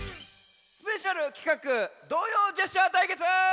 スペシャルきかく「童謡ジェスチャー対決」！